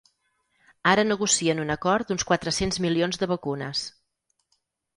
Ara negocien un acord d’uns quatre-cents milions de vacunes.